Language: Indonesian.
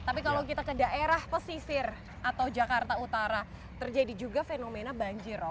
tapi kalau kita ke daerah pesisir atau jakarta utara terjadi juga fenomena banjir